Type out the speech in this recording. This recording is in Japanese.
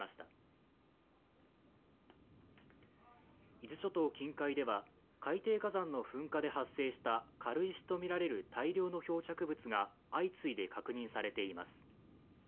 伊豆諸島近海では海底火山の噴火で発生した軽石とみられる大量の漂着物が相次いで確認されています。